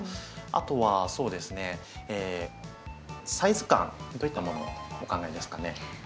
あとはそうですねサイズ感どういったものをお考えですかね？